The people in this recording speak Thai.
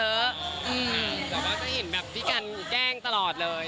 แต่ว่าก็เห็นแบบพี่กันแกล้งตลอดเลย